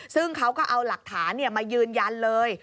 ซึ่งเขาก็เอาหลักฐานมายืนยันเลย